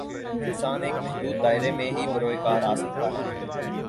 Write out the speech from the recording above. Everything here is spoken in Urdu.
انسان ایک محدود دائرے ہی میں بروئے کار آ سکتا ہے۔